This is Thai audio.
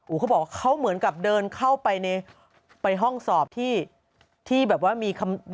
เขาบอกว่าเขาเหมือนกับเดินเข้าไปในไปห้องสอบที่ที่แบบว่ามีคำ